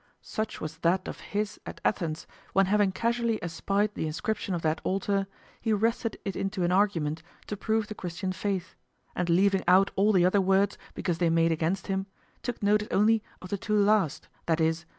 Such was that of his at Athens when having casually espied the inscription of that altar, he wrested it into an argument to prove the Christian faith, and leaving out all the other words because they made against him, took notice only of the two last, viz.